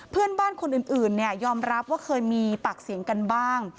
เพื่อนบ้านคนอื่นเนี่ยยอมรับว่าเคยมีปากเสียงกันบ้าง